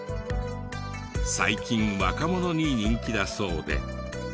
最近若者に人気だそうで。